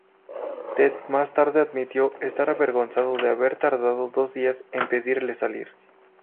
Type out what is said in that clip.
Ted más tarde admitió estar avergonzado de haber tardado dos días en pedirle salir.